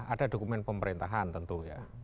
ada dokumen pemerintahan tentu ya